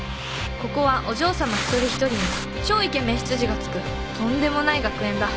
ここはお嬢さま一人一人に超イケメン執事がつくとんでもない学園だ。